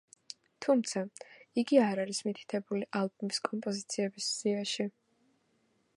თუმცა, იგი არ არის მითითებული ალბომის კომპოზიციების სიაში.